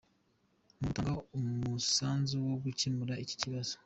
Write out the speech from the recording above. Mu gutanga umusanzu wo gukemura iki kibazo